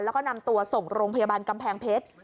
แล้วก็นำตัวส่งโรงพยาบาลกำแพงเพชร